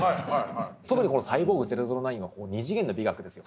特にこの「サイボーグ００９」は二次元の美学ですよ。